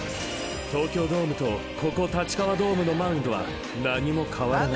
［東京ドームとここ立川ドームのマウンドは何も変わらない］